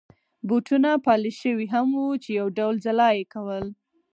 بوټونه پالش شوي هم وو چې یو ډول ځلا يې کول.